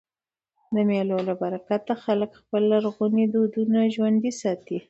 د مېلو له برکته خلک خپل لرغوني دودونه ژوندي ساتي.